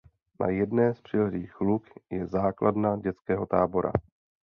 Na jedné z přilehlých luk je základna dětského tábora.